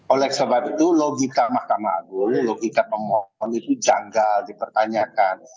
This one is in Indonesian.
oleh sebab itu logika mahkamah agung logika pemohon itu janggal dipertanyakan